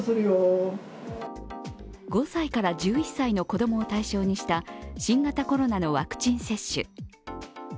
５歳から１１歳の子供を対象にした新型コロナのワクチン接種。